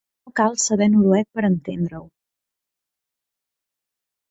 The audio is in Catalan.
No cal saber noruec per entendre-ho.